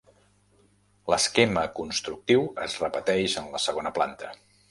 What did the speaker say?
L'esquema constructiu es repeteix en la segona planta.